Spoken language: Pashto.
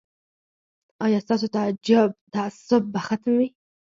ایا ستاسو تعصب به ختم وي؟